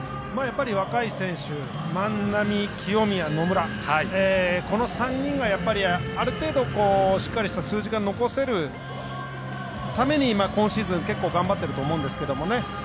若い選手万波、清宮、野村、この３人がやっぱり、ある程度しっかりした数字が残せるために今シーズン結構頑張ってると思うんですけどね